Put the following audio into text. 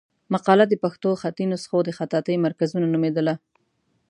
مقاله د پښتو خطي نسخو د خطاطۍ مرکزونه نومېدله.